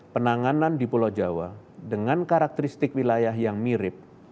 penanganan di pulau jawa dengan karakteristik wilayah yang mirip